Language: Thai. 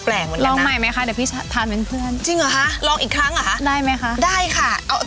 เปลี่ยนต้นก็ได้ค่ะ